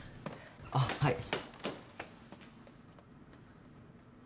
あっはい。